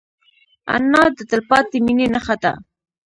انا د تلپاتې مینې نښه ده